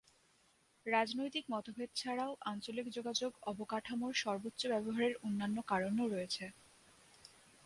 রাজনৈতিক মতভেদ ছাড়াও আঞ্চলিক যোগাযোগ অবকাঠামোর সর্বোচ্চ ব্যবহারের অন্যান্য কারণও রয়েছে।